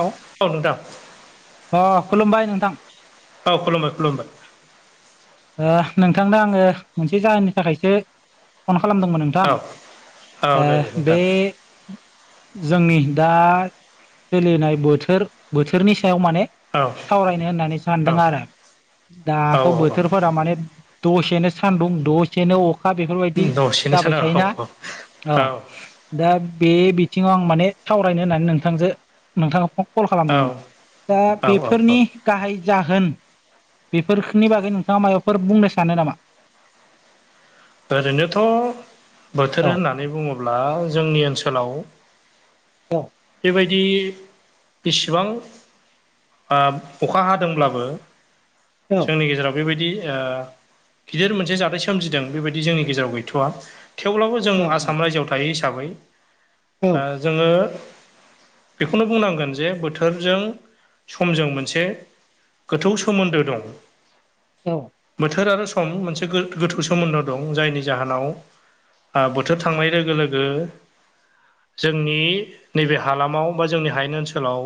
औ अ नोंथां। अ खुलुमबाय नोंथां। औ खुलुमबाय खुलुमबाय। ओ नोंथांनो आङो मोनसे जाहोननि थाखायसो फन खालामदोंमोन नोंथां औ औ दे दे ओ बे नोंथां जोंनि दा सोलिनाय बोथोर- बोथोरनि सायाव माने औ सावरायनो होननानै औ सानदों आरो औ दाथ' बो औ माने दसेनो सान्दुं दसेनो अ‌ खा बेफोरबायदि दसेनो जाबाय सानो औ थायोना औ औ दा बे बि थिङाव आं माने सावरायनो होननानै नोंथांजो नोंथां फ' कल औ खालामदोंमोन दा औ औ बेफोरनि गाहाय जाहोन बेफोरखनि बागै नों थाङा माबाफोर बुंनो सानो नामा? ओरैनोथ' बोथोर होननानै बुङोब्ला जोंनि ओनसोलाव औ। बायदि बिसेबां ओ अखा हादोंब्लाबो औ जोंनि गेजेराव बेबायदि ओ गिदिर मोनसे जाथाय सोमजिदों बेबायद दि जोंनि गेजेराव गैथ'आ थेवब्लाबो जों आसाम राय्जोआव थायो हिसाबै औ ओ जोङो बेखौनो बुंनांगोन जे बोथोरजों समजों मोनसे गोथौ सोमोन्दो दं। औ बोथोर आरो सम मोनसे गो-गोथौ सोमोन्दो दं जायनि जाहोनाव ओ बोथोर थांनाय लोगो लोगो जोंनि नैबे हालामाव बा जोंनि हायेन ओनसोलाव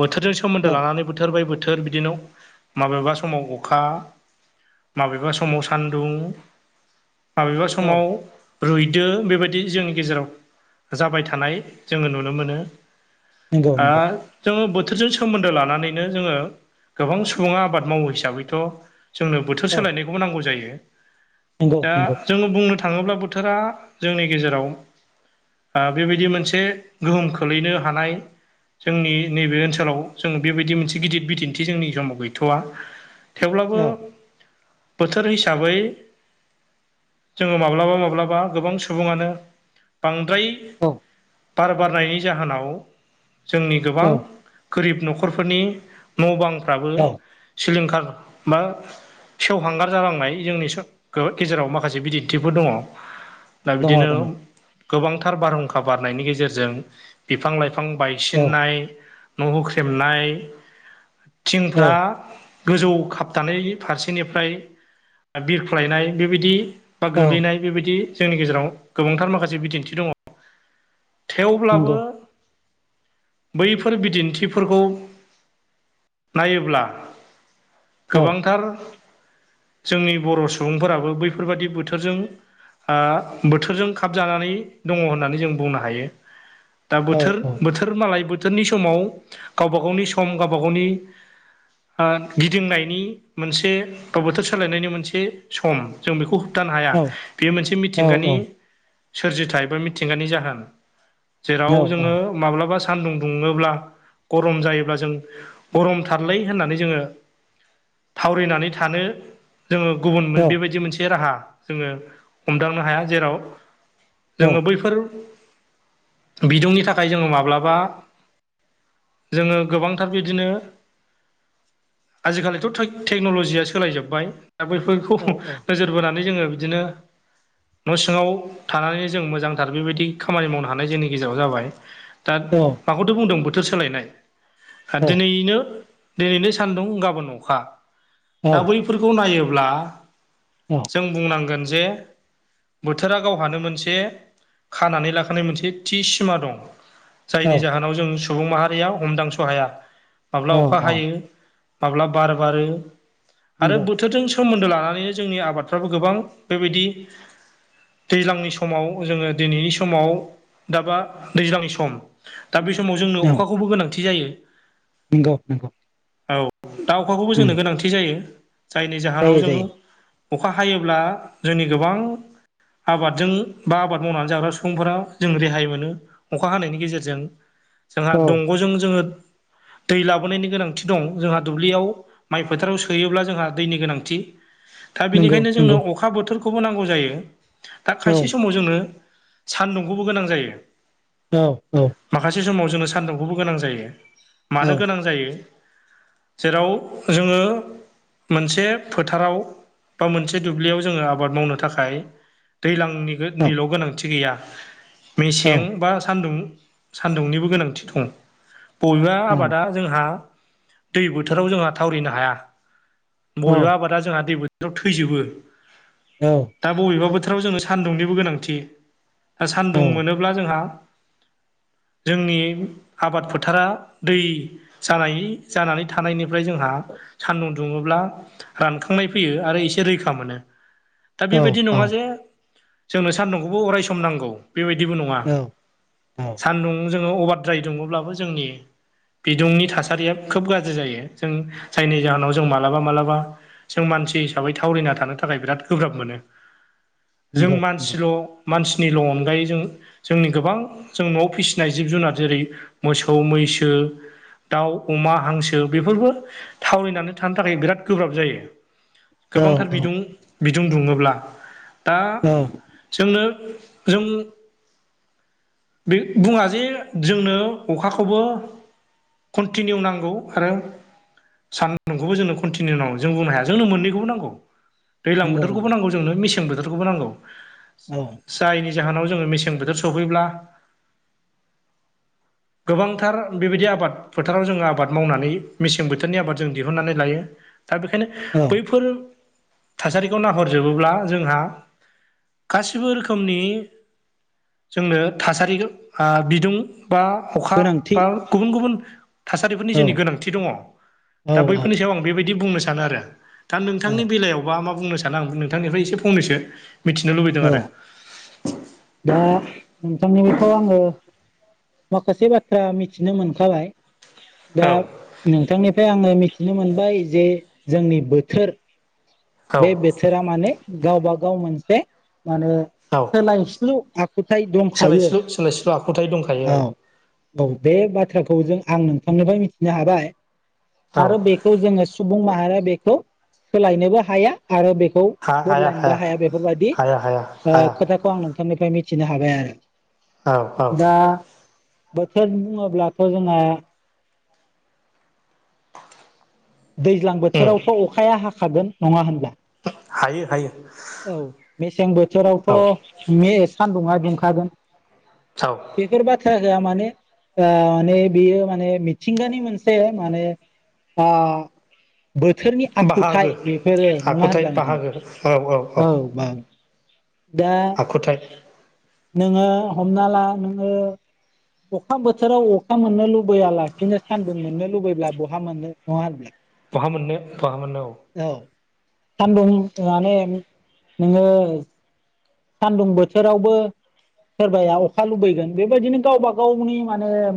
बोथोरजों औ सोमोन्दो लानानै बोथोर बाय बोथ थोर बिदिनोव माबेबा समाव अखा माबेबा समाव सान दुं माबेबा समाव औ रुइदो बेबायदि जोंनि गेजेराव जाबाय थानाय जोङो नुनो मोनो। नंगौ आ नंगौ जोंङो बोथ थोरजों सोमोन्दो लानानैनो जोङो गोबां सुबुङा आबाद मावो हिसाबैथ' जोंनो बोथोर औ सोलायनायखौबो नांगौ जायो। नंगौ दा नंगौ जोङो बुंनो थाङोब्ला बोथोरा जोंनि गेजेराव आ बेबायदि मोनसे गोहोम खोलैनो हानाय जोंनि नैबे ओनसोलाव जों बेबायदि मोनसे गिदिर बिदिन्थि जोंनि समाव गैथ'वा। औ थेवब्लाबो बोथोर हिसाबै जोङो माब्लाबा माब्लाबा गोबां सुबुङानो बांद द्राय औ बार बारनायनि जाहोनाव जोंनि गोबां औ गोरिब न'खरफोरनि न' बांफ्राबो औ सिलिंखार बा सेवहांगार जानांनाय जोंनि स गो गेजेराव माखासे बिदिन्थिफोर दङ दा दङ बिदिनो दङ औ गोबांथार बारहुंखा बारनायनि गेजेरजों बिफां लाइफां औ बायसिननाय न' हुख्रेमनाय थिंफ्रा गोजौ खाबथानाय फारसेनिफ्राय बिरख्लायनाय बेबायदि बा औ गोलैनाय बेबायदि जोंनि गेजेराव गोबांथार माखासे बिदिन्थि दङ। थेवब्लाबो नंगौ बैफोर बिदिन्थिफोरखौ नायोब्ला औ गोबांथार जोंनि बर' सु बुंफोराबो बैफोरबादि बोथोरजों हा बोथोरजों खाब जानानै दङ होननानै जों बुंनो हायो। दा औ बोथोर औ बोथोर मालाय बोथोरनि समाव गावबा गावनि सम गावबा गावनि ओ गिदिंनायनि मोनसे बोथोर सोलायनायनि मोनसे सम जों बेखौ होबथानो हाया बे मोनसे मिथिंगानि सोरजिथाइ बा मिथिंगानि जाहोन जेराव जोङो माब्लाबास सान्दुं दुङोब्ला गरम जायोब्ला जों गरमथारलै होननानै जोङो थावरिनानै थानो जोङो गुब नंगौ बेबायदि मोनसे राहा जोङो हमदांनो हाया जेराव जोङो बैफोर बिदुंनि थाखाय जोङो माब्लाबा जोङो गोबांथार बिदिनो आजिखालिथ' टोक टेक्न'लजिया सोलायजोबबाय दा बैफोरखौ नोजोर बोनानै जोङो बिदिनो न' सिङाव थानानै जों मोजांथार बेबायदि खामानि मावनो हानाय जोंनि गेजेराव जाबाय। दा माखौथो बुंदों बोथोर सोलायनाय दोनैनो दोनैनो सानदुं गाबोन अखा दा बैफोरखौ नायोब्ला औ जों बुंनांगोन जे बोथोरा गावहानो मोनसे खानानै लाखानाय मोनसे थि सिमा दं। जायनि जाहोनाव जों सुबुं माहारिया हमदांस' हाया माब्ला अखा हायो माब्ला बार बारो आरो नंगौ बोथोरजों सोमोन्दो लानानै जोंनि आबादफ्राबो गोबां बेबायदि दैज्लांनि समाव जोङो दिनैनि समाव दाबा दैज्लांनि सम। दा बे समाव जोंनो अखाखौबो गोनांथि जायो। नंगौ नंगौ। औ दा अखाखौबो उम जोंनो गोनांथि जायो जायनि जाहोनाव जायो जोङो जायो अखा हायोब्ला जोंनि गोबां आबादजों बा आबाद मावनानै जाग्रा सुबुंफोरा जों रेहाय मोनो अखा हानायनि गेजेरजों। जोंहा औ दंग'जों जोङो [inaudible] दै लाबोनायनि गोनांथि दं जोंहा दुब्लियाव माइ फोथाराव सोयोब्ला जोंहा दैनि गोनांथि। दा नंगौ बेनिखायनो नंगौ जोंनो अखा बोथोरखौबो नांगौ जायो दा औ खायसे समाव जोंनो सानदुंखौबो गोनां जायो। औ-औ। माखासे समाव जोंनो सान्दुंखौबो गोनां जायो औ मानो गोनां जायो। जेराव जोङो मोनसे फोथाराव बा मोनसे दुब्लियाव जोङो आबाद मावनो थाखाय दैज्लांनि-निल' गोनांथि गैया। मेसें बा सान्दुं-सान्दुंनिबो गोनांथि दं। बबेबा आबादा जोंहा दै बोथोराव जोंहा थावरिनो हाया। बबेबा आबादा जोंहा दै बोथोराव थैजोबो औ दा बबेबा बोथोराव जोंनो सान्दुंनिबो गोनांथि दा औ सान्दुं औ मोनोब्ला जोंहा [inaudible] जोंनि आबाद फोथारा दै जानाय जानानै थानायनि निफ्राय जोंहा सानदुं दुङोब्ला रानखांनाय फैयो आरो एसे रैखा मोनो। दा औ बेबायदि औ नङा जे जोंनो सान्दुंखौबो अराय सम नांगौ। बेबायदिबो नङा औ औ सान्दुं जोङो अबारद्राय दुङोब्लाबो जोंनि बिदुंनि थासारिया खोब गाज्रि जायो जों जायनि उम जाहोनाव जों मालाबा-मालाबा जों मानसि हिसाबै थावरिना थानो थाखाय बिराद गोब्राब मोनो जों नंगौ नंगौ मानसिल' मानसिनिल' अनगायै जों जोंनि गोबां जों न'आव फिसिनाय जिब जुनार जेरै मोसौ मै [unintelligible] दाउ अमा हांसो बेफोरबो थावरिनानै थानो थाखाय बिराद गोब्राब जायो। औ गोबांथार औ बिदुं-बिदुं दुङोब्ला दा औ जोंनो [inaudible] बे बुङा जे जोंनो अखाखौबो कन्टिनिउ नांगौ आरो सानदुंखौबो जोंनो कन्टिनिउ नांगौ जों बुंनो हाया। जोंनो मोननैखौबो नांगौ दैज्लां नंगौ बोथोरखौबो नंगौ नांगौ जोंनो मेसें बोथोरखौबो नांगौ। औ जायनि जाहोनाव जोङो मेसें बोथोर सफैब्ला [inaudible] गोबांथार बेबायदि आबाद फोथाराव जोङो आबाद मावनानै मेसें बोथोरनि आबाद जों दिहुनन्नानै लायो। दा बेखायनो औ बैफोर थासारिखौ नाहरजोबोब्ला जोंहा गासिबो रोखोमनि जोंनो थासारि बिदुं बा अखा गोनांथि बा गुबुन गुबुन थासारिफोरनि औ जोंनि गोनांथि दङ दा औ बैफोरनि सायाव आं बेबायदि बुंनो सानो आरो दा औ नोंथांनि बेलायावबा मा बुंनो सानो आं नोंथांनिफ्राय एसे फंनैसो मिथिनो लुबैदों औ आरो दा- नोंथांनि बेथ' आङो माखासे बाथ्रा मिथिनो मोनखाबाय। दा औ नोंथांनिफ्राय आङो मिथिनो मोनबाय जे जोंनि बोथोर औ बे बोथोरा माने गावबा गाव मोनसे माने औ सोलायस्लु आखुथाय दंखायो। सोलायस्लु सोलायस्लु आखुथाय दंखायो औ औ बे बाथ्राख जों आं नोंथांनिफ्राय मिथिनो हाबाय। औ औ आरो बेखौ जोङो सुबुं मा आरो बेखौ सोलायनोबो हाया। आरो बेखौ बदलायनोबो हाया बेफोरबायदि हाया हाया हाया खोथाखौ आं नोंथांनिफ्राय मिथिनो हाबाय आरो। औ औ। दा बोथोर बुङोब्लाथ' जोंहा दैज्लां उम बोथोरावथ' अखाया हाखागोन नङा होनब्ला? हायो हायो। औ मेसें औ बोथोरावथ' मे सान्दुङा दुंखागोन। औ बेफोर बाथ्रा माने ओ नै बे माने बे मिथिंगानि मोनसे माने ओ बोथोरनि बाहागो आखुथाइ बेफोरो नङा आखुथाय होनबा नोंथां। बाहागो औ बां आखुथाइ नोङो हमना ला नोङो अखा बोथोराव अखा मोननो लुबैयालासिनो सान्दुं मोननो लुबैब्ला बहा मोननो नङा होनब्ला। बहा मोननो बहा मोननो औ सानदुं माने नोङो सान्दुं बोथोरावबो सोरबाया अखा लुबैगोन बेबायदिनो गावबा गावनि माने ओ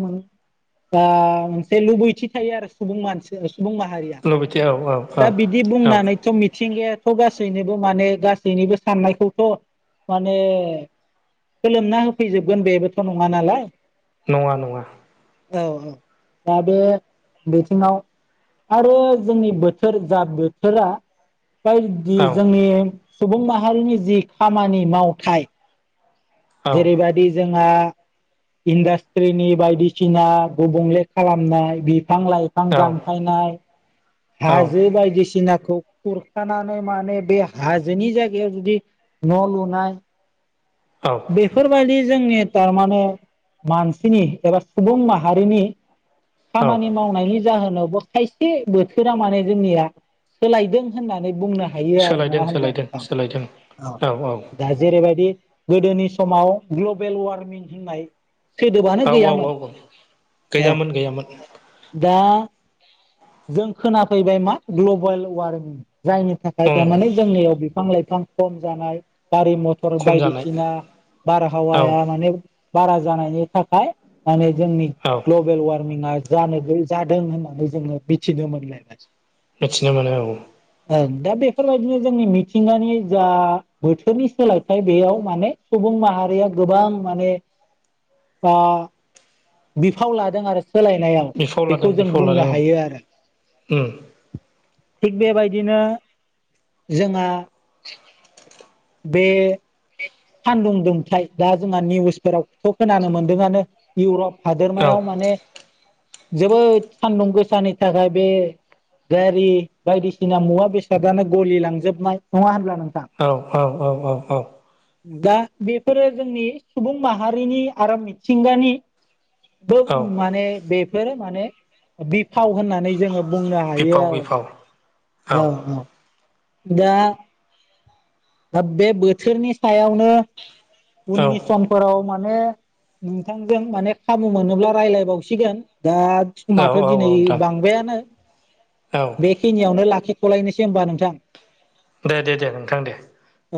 मोनसे लुबैथि थायो आरो सुबुं मानसि सुबुं माहारिया। लबैथो औ औ दा बिदि औ बुंनानैथ' मिथिंगायाथ' गासैनिबो माने गासैनिबो साननायखौथ' माने फोलोमना होफैजोबगोन बेबोथ' नङा नालाय। नङा नङा। औ औ दा बे बिथिङाव आरो जोंनि बोथोर जा बोथोरा बायदि औ जोंनि सुबुं माहारिनि जि खामानि मावथाय औ जेरैबायदि जोंहा इन्डास्ट्रिनि बायदिसिना गुबुंले खालामनाय बे बिफां लाइफां दानफायनाय औ हाजो बायदिसि नाखौ खुरखानानै माने बे हाजोनि जायगायाव जुदि न' लुनाय औ बेफोरबायदि जोंनि ओ माने मानसिनि एबा सुबुं माहारिनि खामानि मावनायनि जाहोनावबो खायसे बोथोरा माने जोंनिया सोलायदों होननानै बुंनो हायो आरो नङा सोलायदों होनब्ला सोलायदों नोंथां। सोलायदों औ दा जेरैबायदि गोदोनि समाव ग्लबेल वार्मिं होननाय सोदोबानो औ औ गैयामोन औ गैयामोन गैयामोन दा जों खोनाफैबाय मा ग्लबेल वार्मिं जायनि थाखाय ओं थारमाने जोंनियाव बिफां लाइफां खम जानाय गारि मथर खम जानाय बायदिसिना औ बारहावाया माने बारा जानायनि थाखाय माने जोंनि औ ग्लबेल वार्मिंआ जानो जादों होननानै जोङो मिथिनो मोनलायबाय। मिथिनो मोनो औ। औ दा बेफोरबायदिनो जोंनि मिथिंगानि जा बोथोरनि सोलायथाइ बेयाव माने सु बुं माहारिया गोबां माने ओ बिफाव लादों आरो। सोलायनायाव बिफाव बेखौ लादों जों बिफाव बुंनो लादों औ हायो आरो। उम थिग बेबायदिनो जोंहा बे सान्दुं दुंथाय दा जोंहा निउसफोरावथ' खोनानो मोन्दोंआनो इउरप औ हादोरमायाव माने जोबोद सान्दुं गोसानि थाखाय बे गारि बायदिसिना मुवा बेसादानो गलि लांजोबनाय नङा होनब्ला नों औ औ औ औ दा बेफोरो जोंनि सुबुं माहारिनि आरो मिथिंगानि औ माने बेफोर माने बि फाव होननानै जोङो बुंनो हायो बिफाव आरो बिफाव औ औ दा बे बोथोरनि सायावनो औ उननि समफोराव माने नोंथांजों माने खाबु मोनोब्ला रायज्लाय बावसिगोन दा औ समाथ' औ दिनै नोंथां बांबायानो औ बेखिनियावनो लाखि थलायनोसै होमबा नोंथां दे दे दे नोंथां दे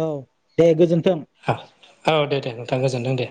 औ दे गोजोन औ दे दे नोंथां गोजोनथों दे